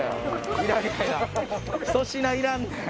粗品いらんねん。